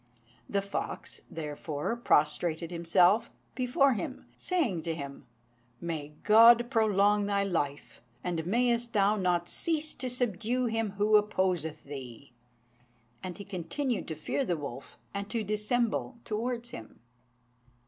The fox, therefore, prostrated himself before him, saying to him, "May God prolong thy life, and mayest thou not cease to subdue him who opposeth thee!" And he continued to fear the wolf, and to dissemble towards him.